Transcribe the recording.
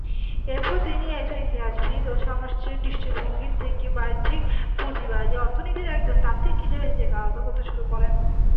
এরপর তিনি একজন ইতিহাসবিদ ও সামষ্টিক দৃষ্টিভঙ্গি থেকে বৈশ্বিক পুঁজিবাদী অর্থনীতির একজন তাত্ত্বিক হিসেবে নিজেকে আলাদা করতে শুরু করেন।